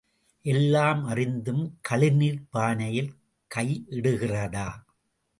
எல்லாம் அறிந்தும் கழுநீர்ப் பானையில் கை இடுகிறதா?